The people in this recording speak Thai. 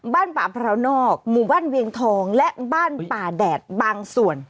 บ้านป่าแดดบางส่วน